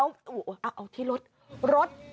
อ้าวเอาที่รถ